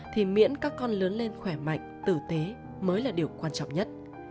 thì miễn các con lớn lên khỏe mạnh tử tế mới là điều quan trọng nhất